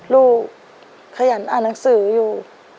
ขยันอ่านหนังสืออยู่